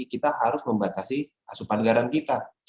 kita harus membatasi asupan garam kita